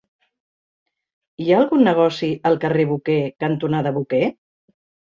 Hi ha algun negoci al carrer Boquer cantonada Boquer?